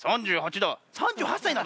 ３８だ！